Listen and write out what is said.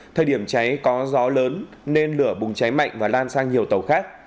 thời điểm cháy có gió lớn nên lửa bùng cháy mạnh và lan sang nhiều tàu khác